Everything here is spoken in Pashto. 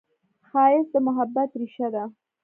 ښایست د محبت ریښه ده